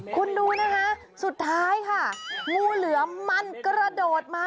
คุณดูนะคะสุดท้ายค่ะงูเหลือมมันกระโดดมา